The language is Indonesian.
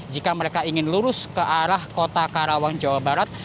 jika mereka ingin lurus ke arah kota karawang jawa barat